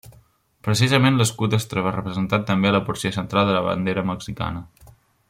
Precisament l'escut es troba representat també a la porció central de la bandera mexicana.